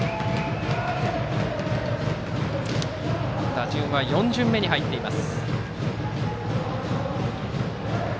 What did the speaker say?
打順は４巡目に入っています。